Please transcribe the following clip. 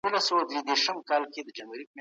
د هېواد ډیپلوماتان کافي روزنه نه لري.